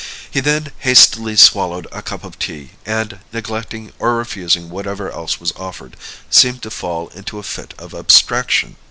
He then hastily swallowed a cup of tea, and, neglecting or refusing whatever else was offered, seemed to fall into a fit of abstraction.